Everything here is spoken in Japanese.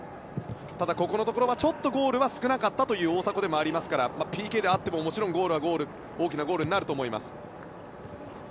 ただ、ここのところはちょっとゴールは少なかった大迫でもありますからＰＫであっても、もちろん大きなゴールになると思います。